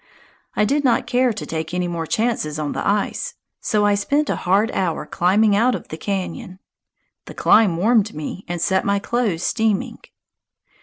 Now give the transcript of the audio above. I did not care to take any more chances on the ice, so I spent a hard hour climbing out of the cañon. The climb warmed me and set my clothes steaming.